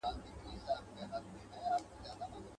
په يوازي ځان قلا ته ور روان سو.